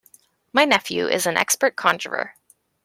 My nephew is an expert conjurer.